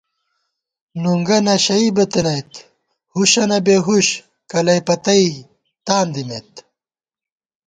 نُنگہ نشَئی بِتَنَئیت، ہُشّنہ بېہُش کلَئیپَتئی تان دِمېت